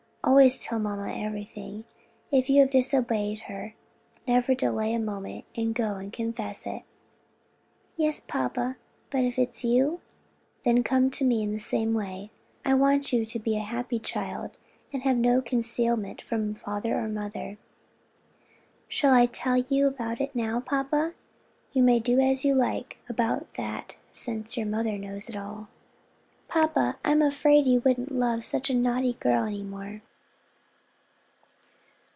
Always tell mamma everything. If you have disobeyed her never delay a moment to go and confess it." "Yes, papa: but if it's you?" "Then come to me in the same way. If you want to be a happy child have no concealment from father or mother." "Shall I tell you about it now, papa?" "You may do as you like about that since your mother knows it all." "Papa, I'm afraid you wouldn't love such a naughty girl any more."